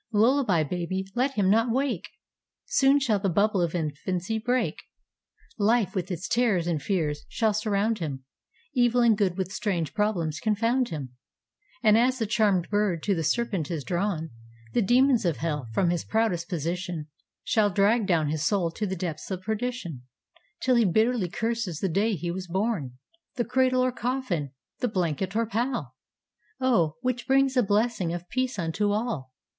Lullaby baby let him not wake! Soon shall the bubble of infancy break; Life, with its terrors and fears, shall surround him, Evil and Good with strange problems confound him, And, as the charmed bird to the serpent is drawn, The demons of hell, from his proudest position, Shall drag down his soul to the depths of perdition, Till he bitterly curses the day he was born! The Cradle or Coffin, the blanket or pall O, which brings a blessing of peace unto all?